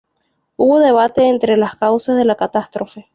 Hubo debate entre las causas de la catástrofe.